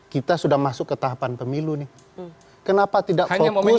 kita sudah masuk ke tahapan pemilu nih